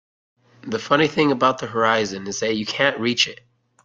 The funny thing about the horizon is that you can't reach it.